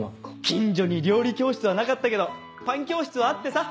近所に料理教室はなかったけどパン教室はあってさ。